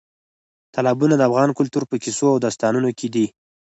تالابونه د افغان کلتور په کیسو او داستانونو کې دي.